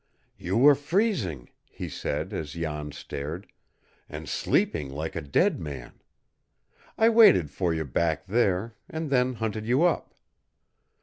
"You were freezing," he said, as Jan stared, "and sleeping like a dead man. I waited for you back there, and then hunted you up.